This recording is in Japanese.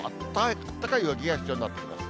あったかい上着が必要になってきます。